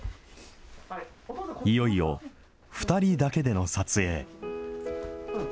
いよいよ、２人だけでの撮影。